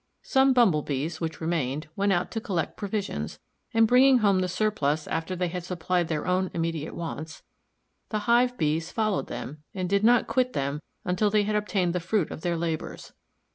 Some Bumble bees, which remained, went out to collect provisions, and bringing home the surplus after they had supplied their own immediate wants, the Hive bees followed them and did not quit them until they had obtained the fruit of their labors.